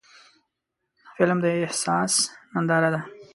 فلم د احساس ننداره ده